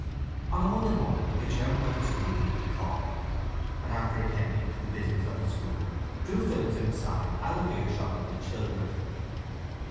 On a Monday morning the chairman of the school committee called, and after attending to the business of the school drew Phillotson aside out of earshot of the children.